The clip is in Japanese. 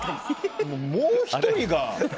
もう１人が。